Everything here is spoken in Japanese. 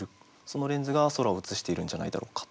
そのレンズが空を映しているんじゃないだろうか。